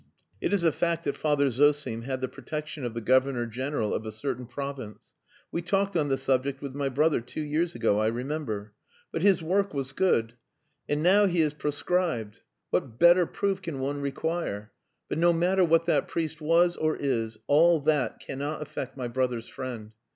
It is a fact that Father Zosim had the protection of the Governor General of a certain province. We talked on the subject with my brother two years ago, I remember. But his work was good. And now he is proscribed. What better proof can one require. But no matter what that priest was or is. All that cannot affect my brother's friend.